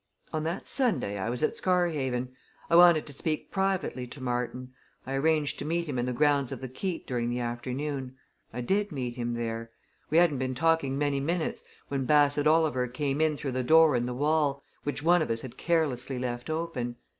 On that Sunday I was at Scarhaven. I wanted to speak privately to Martin. I arranged to meet him in the grounds of the Keep during the afternoon. I did meet him there. We hadn't been talking many minutes when Bassett Oliver came in through the door in the wall, which one of us had carelessly left open.